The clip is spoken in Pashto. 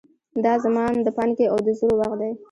دا زمان د پانګې او د زرو وخت دی.